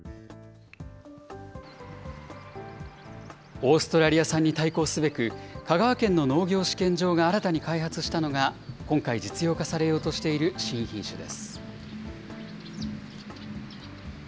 オーストラリア産に対抗すべく、香川県の農業試験場が新たに開発したのが、今回実用化されようとしている新品種です。